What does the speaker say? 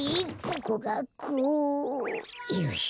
よし！